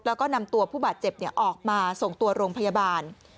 แล้วก็นำตัวผู้บาดเจ็บออกมาส่งตัวโรงพยาบาล